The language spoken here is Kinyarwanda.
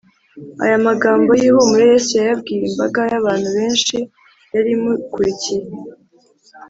aya magambo y’ihumure yesu yayabwiye imbaga y’abantu benshi yari imukurikiye